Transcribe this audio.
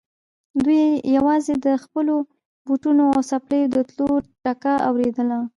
دوی يواځې د خپلو بوټونو او څپلکو د تلو ټکا اورېدله.